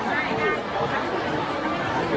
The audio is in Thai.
การรับความรักมันเป็นอย่างไร